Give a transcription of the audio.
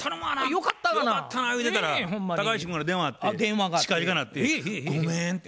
よかったな言うてたら高橋君から電話あって近々なって「ごめん」て。